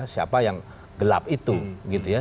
siapa yang gelap itu gitu ya